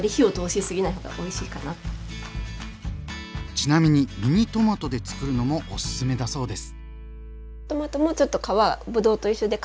ちなみにミニトマトでつくるのもおすすめだそうです。